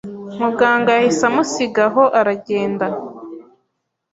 Muganga yahise amusiga aho aragenda